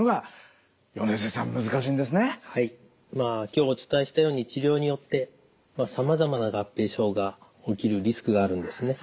今日お伝えしたように治療によってさまざまな合併症が起きるリスクがあるんですね。